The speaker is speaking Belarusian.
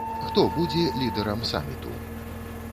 Хто будзе лідэрам саміту?